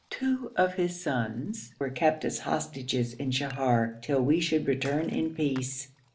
Two of his sons were kept as hostages in Sheher till we should return in peace.